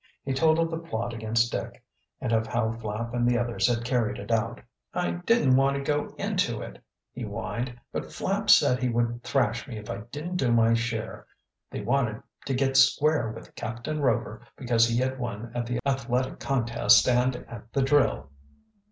He told of the plot against Dick, and of how Flapp and the others had carried it out. "I didn't want to go into it," he whined. "But Flapp said he would thrash me if I didn't do my share. They wanted to get square with Captain Rover because he had won at the athletic contests and at the drill."